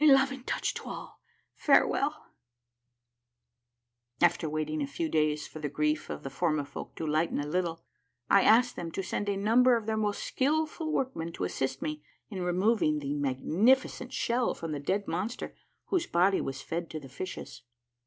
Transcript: A loving touch to all — farewell !" After waiting a few days for the grief of the Formifolk to A MARVELLOUS UNDERGROUND JOURNEY 139 lighten a little, I asked them to send a number of their most skilful workmen to assist me in removing the magnificent shell from the dead monster whose body was fed to the fishes.